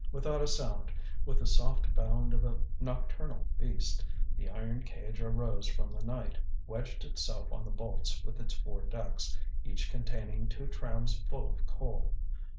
Without a sound, with the soft bound of a nocturnal beast, the iron cage arose from the night, wedged itself on the bolts with its four decks, each containing two trams full of coal.